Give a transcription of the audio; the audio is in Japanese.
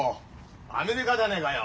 アメリカじゃねえかよ。